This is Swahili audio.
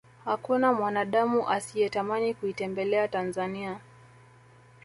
hakuna mwanadamu asiyetamani kuitembelea tanzania